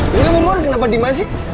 gila bu kenapa dimasih